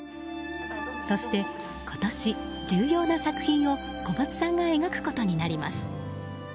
そして、今年重要な作品を小松さんが描くことになります。